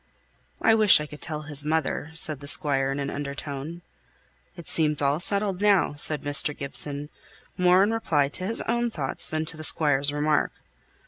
"I wish I could tell his mother," said the Squire in an under tone. "It seems all settled now," said Mr. Gibson, more in reply to his own thoughts than to the Squire's remark.